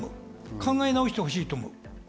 考え直してほしいと思う。